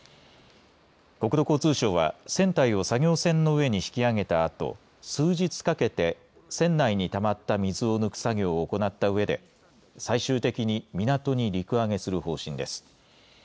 国土交通省は船体を作業船の上に引き揚げたあと、数日かけて船内にたまった水を抜く作業を行ったうえで最終的に港に陸揚げする方針です。